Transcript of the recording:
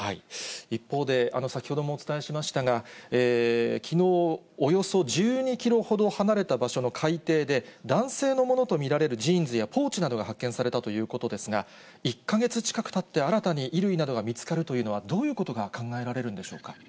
一方で、先ほどもお伝えしましたが、きのう、およそ１２キロほど離れた場所の海底で、男性のものと見られるジーンズやポーチなどが発見されたということですが、１か月近くたって新たに衣類などが見つかるというのは、どういうことが考えられるんでしょうか。